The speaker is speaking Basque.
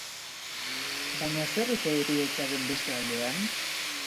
Baina, zer ote dago heriotzaren beste aldean?